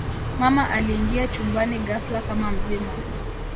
mama aliingia chumbani ghafla kama mzimu